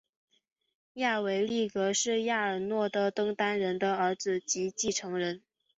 亚维力格是亚尔诺的登丹人的儿子及继承人。